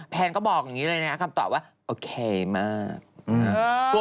แนนก็บอกอย่างนี้เลยนะคำตอบว่าโอเคมาก